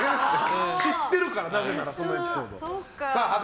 知ってるからなぜならそのエピソードを。